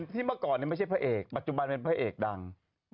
เมื่อก่อนไม่ใช่พระเอกปัจจุบันเป็นพระเอกดัง